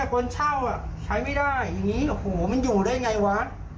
คนเช่าใช้ไม่ได้อย่างนี้โอ้โหมันอยู่ได้ไงวะ